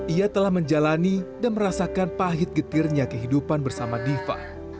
ia telah menjalani dan merasakan pahit getirnya kehidupan bersama diva